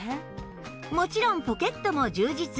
もちろんポケットも充実